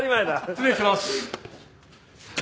失礼します。